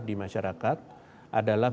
di masyarakat adalah